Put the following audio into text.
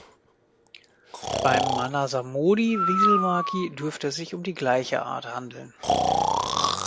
Beim Manasamody-Wieselmaki dürfte es sich um die gleiche Art handeln.